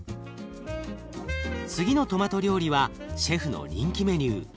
次のトマト料理はシェフの人気メニュー